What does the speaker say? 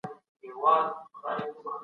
پلان جوړونه په هره برخه کي رول لري.